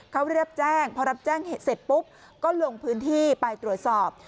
เขารับแจ้งพอรับแจ้งเหตุเสร็จปุ๊บก็ลงพื้นที่ไปตรวจสอบ